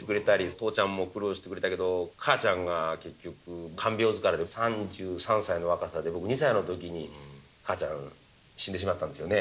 父ちゃんも苦労してくれたけど母ちゃんが結局看病疲れで３３歳の若さで僕２歳の時に母ちゃん死んでしまったんですよね。